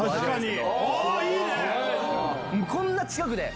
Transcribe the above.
こんな近くで。